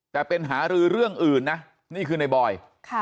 แต่เป็นหารือเรื่องอื่นนะนี่คือในบอย